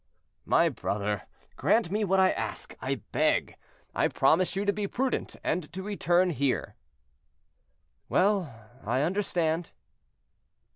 "My brother, grant me what I ask, I beg; I promise you to be prudent, and to return here." "Well, I understand."